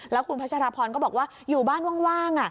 แล้วคุณพัชรพรก็บอกว่าอยู่บ้านว่าง